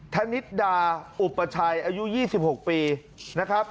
ธนิดดาอุปชัยอายุ๒๖ปีนะครับ